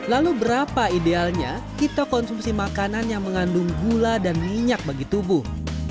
lalu berapa idealnya kita konsumsi makanan yang mengandung gula dan minyak bagi tubuh